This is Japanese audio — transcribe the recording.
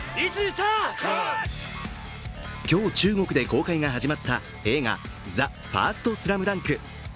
今日、中国で公開が始まった映画「ＴＨＥＦＩＲＳＴＳＬＡＭＤＵＮＫ」。